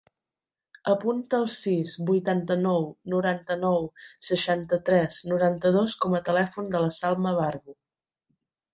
Apunta el sis, vuitanta-nou, noranta-nou, seixanta-tres, noranta-dos com a telèfon de la Salma Barbu.